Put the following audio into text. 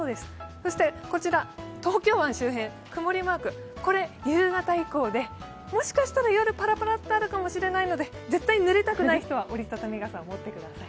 そしてこちら、東京湾周辺の曇りマーク、もしかしたら夜ぱらぱらっとあるかもしれないので絶対ぬれたくない人は折り畳み傘を持ってください。